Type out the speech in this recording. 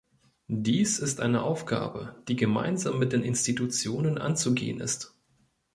Dies ist eine Aufgabe, die gemeinsam mit den Institutionen anzugehen ist.